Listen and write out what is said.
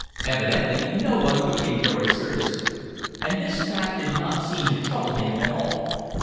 Evidently no one took him very seriously. And this fact did not seem to trouble him at all.